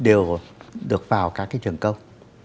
đều được vào các cái trường công